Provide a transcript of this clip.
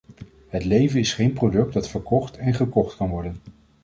Het leven is geen product dat verkocht en gekocht kan worden.